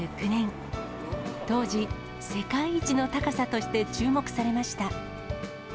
当時、世界一の高さとして注目されました。